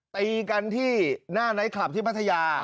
ตีกันที่หน้าไนท์คลับที่พัทยา